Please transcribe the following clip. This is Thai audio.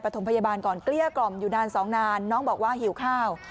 ถมพยาบาลก่อนเกลี้ยกล่อมอยู่นานสองนานน้องบอกว่าหิวข้าว